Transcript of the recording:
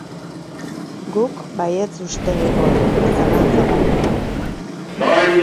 Guk baietz uste genuen, zalantza barik.